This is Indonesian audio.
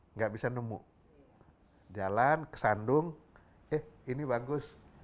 nggak bisa nemu jalan kesandung eh ini bagus